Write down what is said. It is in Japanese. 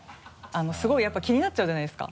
すごいやっぱり気になっちゃうじゃないですか。